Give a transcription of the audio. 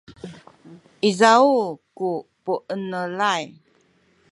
izaw ku puenelay